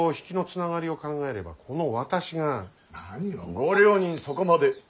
ご両人そこまで。